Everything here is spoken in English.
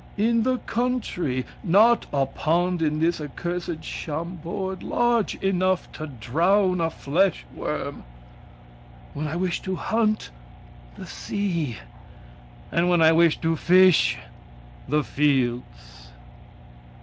In the country! Not a pond In this accursed Chambord large enough To drown a flesh worm! When I wish to hunt— The sea! And when I wish to fish—the fields!